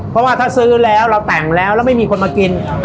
เพราะว่าถ้าซื้อแล้วเราแต่งแล้วแล้วไม่มีคนมากิน